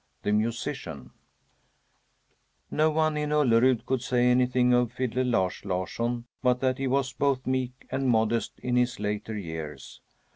The Musician No one in Ullerud could say anything of fiddler Lars Larsson but that he was both meek and modest in his later years.